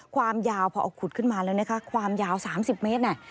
ความยาวพอเอาขุดขึ้นมาแล้วนะคะความยาว๓๐เมตรน่ะ